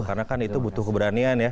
karena kan itu butuh keberanian ya